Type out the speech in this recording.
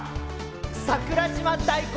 桜島大根。